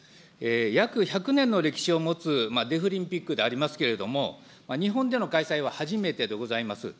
約１００年の歴史を持つデフリンピックでありますけれども、日本での開催は初めてでございます。